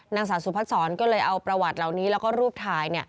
นางสาวสุพัฒนศรก็เลยเอาประวัติเหล่านี้แล้วก็รูปถ่าย